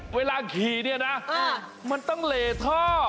เวลาขี่เนี่ยนะมันต้องเหลท่อ